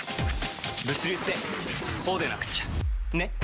物流ってこうでなくっちゃね。